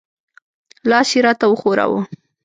لاس یې را ته وښوراوه.